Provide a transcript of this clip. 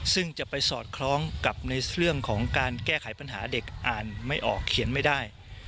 ซึ่งจะไปสอดคล้องกับในเรื่องของการแก้ไขปัญหาเด็กอ่านไม่ออกเขียนไม่ได้